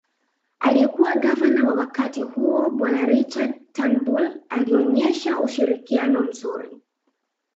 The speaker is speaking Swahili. Aliyekuwa gavana wa wakati huo bwana Richard Turnbull alionyesha ushirikiano mzuri